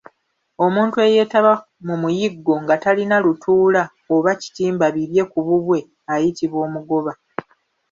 Omuntu eyeetaba mu muyiggo nga talina lutuula oba kitimba bibye ku bubwe ayitibwa omugoba.